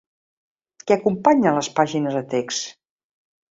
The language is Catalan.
Què acompanyen les pàgines de text?